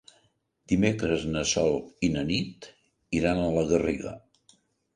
Dimecres na Sol i na Nit iran a la Garriga.